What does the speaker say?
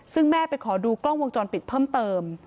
ซึ่งแม่ไปขอดูกล้องวงจรปิดเพิ่มเติม